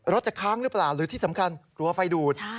จะค้างหรือเปล่าหรือที่สำคัญกลัวไฟดูด